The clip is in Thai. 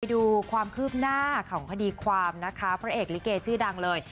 ดูความคืบหน้าของคดีความนะคะพระเอกลิเกชื่อดังเลย